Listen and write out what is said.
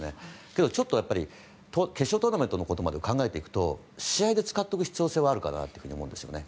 けど決勝トーナメントのことまで考えていくと試合で使っておく必要性はあるかなと思うんですね